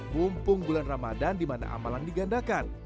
mumpung bulan ramadan di mana amalan digandakan